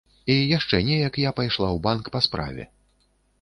І яшчэ неяк я пайшла ў банк па справе.